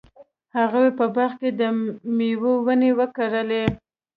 هغه په باغ کې د میوو ونې وکرلې.